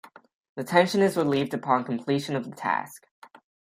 The tension is relieved upon completion of the task.